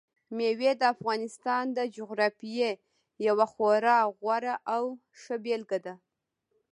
مېوې د افغانستان د جغرافیې یوه خورا غوره او ښه بېلګه ده.